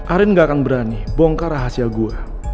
aren gak akan berani bongkar rahasia gue